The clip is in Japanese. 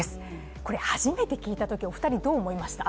これ初めて聞いたときは、お二人どう思いましたか？